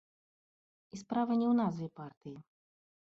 І справа не ў назве партыі.